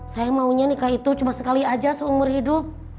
saya maunya nikah itu cuma sekali aja seumur hidup